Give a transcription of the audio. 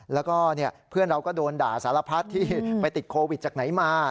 แล้วก็เพื่อนเราก็โดนด่าสารพัดที่ไปติดโควิดจากไหนมา